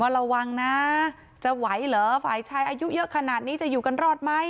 ระวังนะจะไหวเหรอฝ่ายชายอายุเยอะขนาดนี้จะอยู่กันรอดไหม